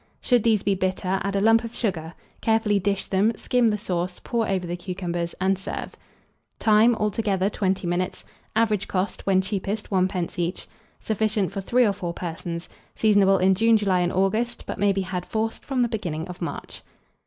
Should these be bitter, add a lump of sugar; carefully dish them, skim the sauce, pour over the cucumbers, and serve. Time. Altogether, 20 minutes. Average cost, when cheapest, 1d. each. Sufficient for 3 or 4 persons. Seasonable in June, July, and August; but may be had, forced, from the beginning of March.